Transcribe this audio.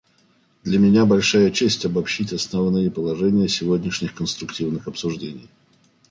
Для меня большая честь обобщить основные положения сегодняшних конструктивных обсуждений.